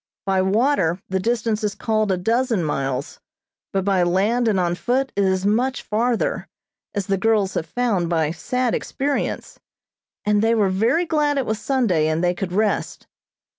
By water the distance is called a dozen miles, but by land and on foot it is much farther, as the girls have found by sad experience; and they were very glad it was Sunday, and they could rest.